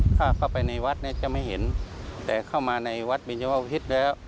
ถ้าเข้าไปในวัดจะไม่เห็นแต่เข้ามาในวัดบิญญาวภิพธิ์แล้ว